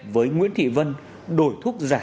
với nguyễn thị vân đổi thuốc giả